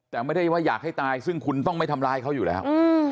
แต่ไม่ได้ว่าอยากให้ตายซึ่งคุณต้องไม่ทำร้ายเขาอยู่แล้ว